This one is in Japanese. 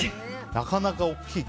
なかなか大きい。